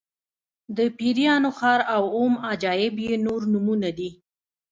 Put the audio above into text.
د پیریانو ښار او اووم عجایب یې نور نومونه دي.